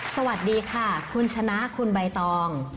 สวัสดีค่ะคุณชนะคุณใบตอง